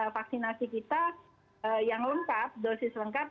vaksinasi kita yang lengkap dosis lengkap